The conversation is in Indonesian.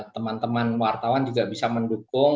teman teman wartawan juga bisa mendukung